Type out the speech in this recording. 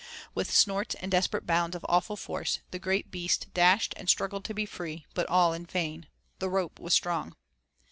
With snorts and desperate bounds of awful force the great beast dashed and struggled to be free; but all in vain. The rope was strong.